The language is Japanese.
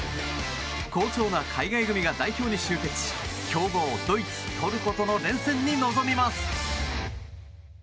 好調な海外組が代表に集結し強豪ドイツ、トルコとの連戦に臨みます。